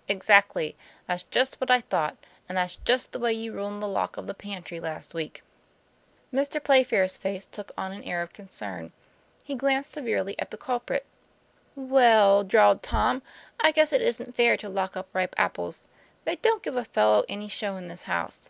" Exactly that's just what I thought, and that's just the way you ruined the lock of the pantry last week." Mr. Playfair's face took on an air of concern; he glanced severely at the culprit. "Well," drawled Tom, "I guess it isn't fair to lock up ripe apples. They don't give a fellow any show in this house."